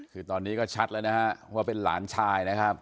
คือตอนนี้ก็ชัดแล้วนะฮะว่าเป็นหลานชายนะครับ